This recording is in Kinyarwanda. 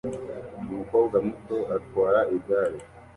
Umukobwa muto atwara igare